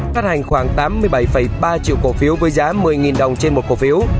phát hành khoảng tám mươi bảy ba triệu cổ phiếu với giá một mươi đồng trên một cổ phiếu